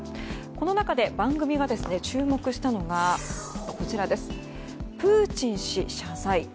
この中で番組が注目したのがプーチン氏謝罪。